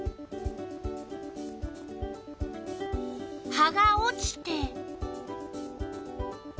葉が落ちて。